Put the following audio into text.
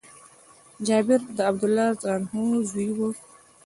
جابر د عبدالله رضي الله عنه زوی وايي :